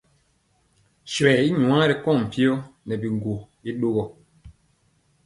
Swɛɛ i nwaa ri kɔŋ mpiyɔ nɛ biŋgwo ɗogɔ.